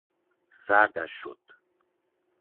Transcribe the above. سردش شد.